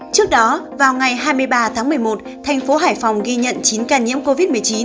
trước đó vào ngày hai mươi ba tháng một mươi một thành phố hải phòng ghi nhận chín ca nhiễm covid một mươi chín